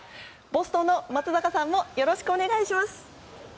ボストンの松坂さんもよろしくお願いします。